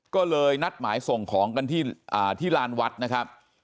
ก็เลยนัดหมายส่งของกันที่ลานวัดนะครับ